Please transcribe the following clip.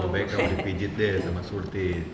lebih baik kamu dipijit deh sama surti